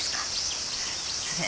それ。